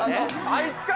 あいつか。